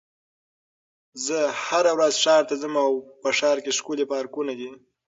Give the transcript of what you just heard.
زه هره ورځ ښار ته ځم او په ښار کې ښکلي پارکونه دي.